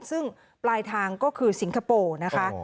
ซึ่งปลายทางก็คือสิงคโปร์นะคะ